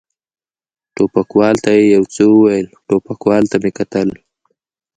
ټوپکوال ته یې یو څه وویل، ټوپکوال ته مې کتل.